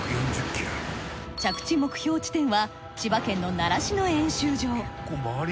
着地目標地点は千葉県の習志野演習場。